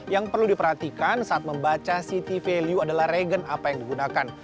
yang perlu diperhatikan saat membaca city value adalah regen apa yang digunakan